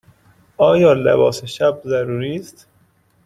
آیا لباس شب ضروری است؟